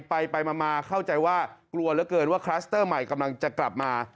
ไปมาเข้าใจว่ากลัวเหลือเกินว่าคลัสเตอร์ใหม่กำลังจะกลับมา